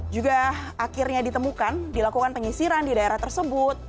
juga akhirnya ditemukan dilakukan penyisiran di daerah tersebut